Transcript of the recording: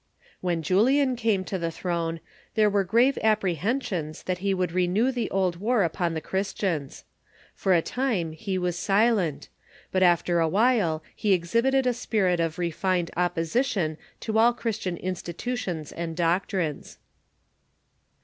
When Julian came to the throne there were grave apprehensions that he would renew the old war upon the Chris tians. For a time he was silent, but after a while he exhibited a spirit of refined opposition to all Christian institutions and doctrines.